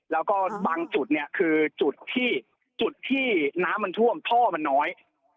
แล้วก็บางจุดเนี่ยคือจุดที่จุดที่น้ำมันท่วมท่อมันน้อย